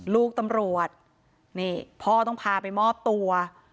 ลูกตำรวจนี่พ่อต้องพาไปมอบตัว